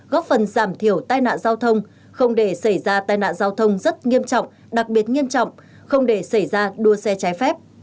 góp phần giảm thiểu tai nạn giao thông không để xảy ra tai nạn giao thông rất nghiêm trọng đặc biệt nghiêm trọng không để xảy ra đua xe trái phép